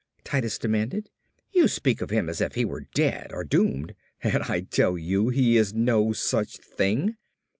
Titus demanded. "You speak of him as if he were dead or doomed and I tell you he is no such thing.